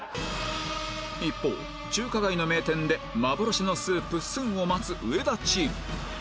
一方中華街の名店で幻のスープを待つ上田チーム